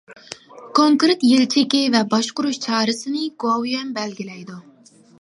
كونكرېت يىل چېكى ۋە باشقۇرۇش چارىسىنى گوۋۇيۈەن بەلگىلەيدۇ.